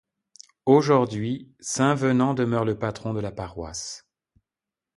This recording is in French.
Aujourd’hui, saint Venant demeure le patron de la paroisse.